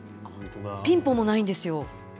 ピンポンもないんですよ。